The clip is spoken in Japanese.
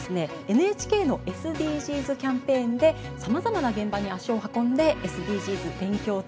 ＮＨＫのＳＤＧｓキャンペーンでさまざまな現場に足を運んでＳＤＧｓ勉強中ということですね。